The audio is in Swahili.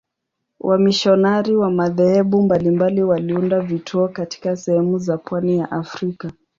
Wamisionari wa madhehebu mbalimbali waliunda vituo katika sehemu za pwani ya Afrika.